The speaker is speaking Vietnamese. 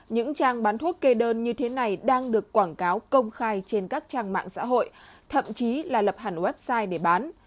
những trang bán thuốc kê đơn như thế này đang được quảng cáo công khai trên các trang mạng xã hội thậm chí là lập hẳn website để bán